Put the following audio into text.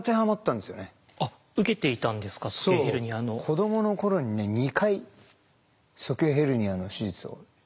子供の頃にね２回鼠径ヘルニアの手術をしたんですよ。